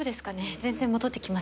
全然戻ってきませんけど。